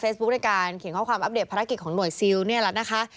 ในการเขียนข้อความอัปเดตภารกิจของหน่วยซิลเนี่ยแหละนะคะ